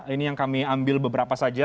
ini yang kami ambil beberapa saja